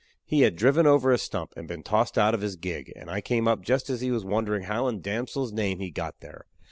He had driven over a stump, and been tossed out of his gig, and I came up just as he was wondering how in the D l's name he got there!